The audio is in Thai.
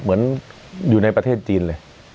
เหมือนอยู่ในประเทศจีนเลย